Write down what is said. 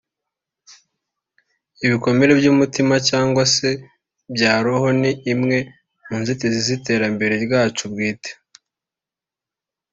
Ibikomere by’umutima cyangwa se bya roho ni imwe mu nzitizi z’iterambere ryacu bwite